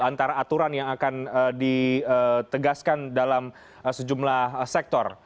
antara aturan yang akan ditegaskan dalam sejumlah sektor